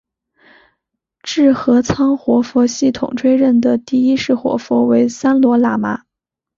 智合仓活佛系统追认的第一世活佛为三罗喇嘛。